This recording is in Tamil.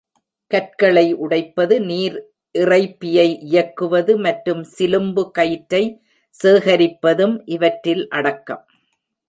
கற்களை உடைப்பது, நீர் இறைப்பியை இயக்குவது மற்றும் சிலும்பு கயிற்றை சேகரிப்பதும் இவற்றில் அடக்கம்.